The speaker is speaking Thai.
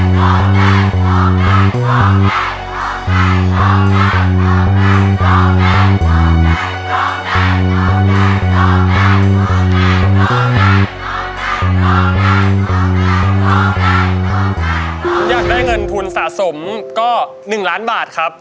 อยากได้เงินทุนสะสมก็๑ล้านบาทครับ